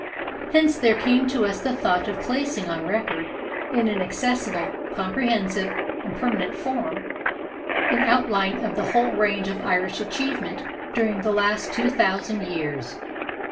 Hence there came to us the thought of placing on record, in an accessible, comprehensive, and permanent form, an outline of the whole range of Irish achievement during the last two thousand years.